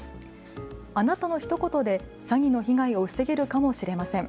あなたのひと言で詐欺の被害を防げるかもしれません。